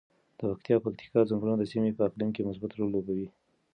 د پکتیا او پکتیکا ځنګلونه د سیمې په اقلیم کې مثبت رول لوبوي.